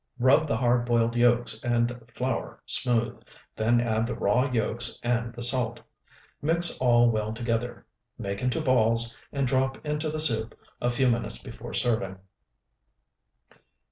Rub the hard boiled yolks and flour smooth, then add the raw yolks and the salt. Mix all well together, make into balls, and drop into the soup a few minutes before serving.